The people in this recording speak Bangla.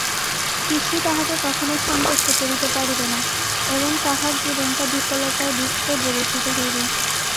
কিছুই তাহাকে কখনও সন্তুষ্ট করিতে পারিবে না, এবং তাহার জীবনটা বিফলতায় পর্যবসিত হইবে।